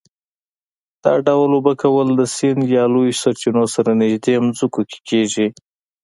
دا ډول اوبه کول د سیند یا لویو سرچینو سره نږدې ځمکو کې کېږي.